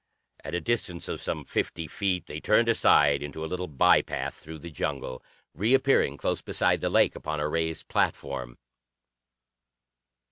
At a distance of some fifty feet they turned aside into a little bypath through the jungle, reappearing close beside the Lake upon a raised platform.